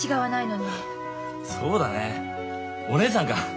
そうだねお姉さんか。